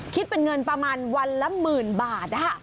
คิดเป็นเงินประมาณวันละหมื่นบาท